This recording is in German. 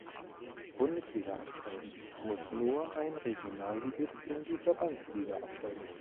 Bundesliga absteigen, muss nur ein Regionalligist in die Verbandsliga absteigen.